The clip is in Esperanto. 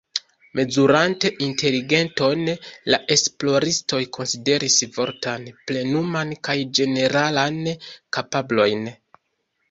Mezurante inteligenton, la esploristoj konsideris vortan, plenuman kaj ĝeneralan kapablojn.